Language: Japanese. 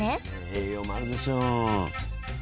栄養もあるでしょう。